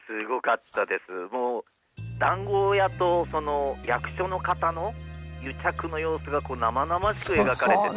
もう談合屋とその役所の方の癒着の様子がこう生々しく描かれてて。